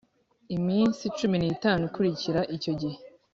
iminsi cumi n’ itanu ikurikira icyo gihe